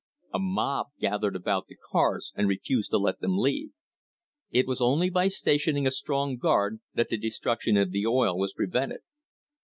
A mob gathered about the cars and refused to let them leave. It was only by stationing a strong guard that the destruction of the oil was prevented.